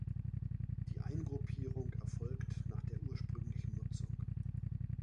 Die Eingruppierung erfolgt nach der ursprünglichen Nutzung.